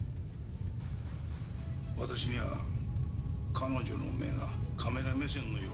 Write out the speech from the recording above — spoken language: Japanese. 私には彼女の目がカメラ目線のように見えるが。